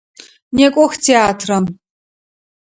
Некӏох театрэм!